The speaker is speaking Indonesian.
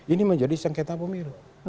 ini menjadi sengketa pemilu